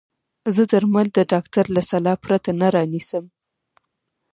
زه درمل د ډاکټر له سلا پرته نه رانيسم.